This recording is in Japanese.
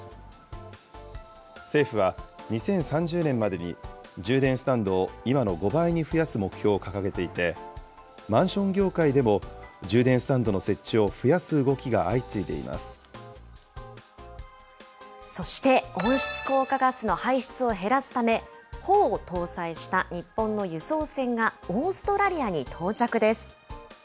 政府は２０３０年までに充電スタンドを今の５倍に増やす目標を掲げていて、マンション業界でも充電スタンドの設置を増やす動きがそして温室効果ガスの排出を減らすため、帆を搭載した日本の輸送船がオーストラリアに到着です。